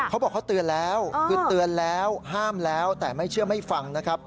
เขาบอกเขาเตือนแล้วคือเตือนแล้วห้ามแล้วแต่ไม่เชื่อไม่ฟังนะครับ